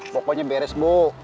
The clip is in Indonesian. pokoknya beres bu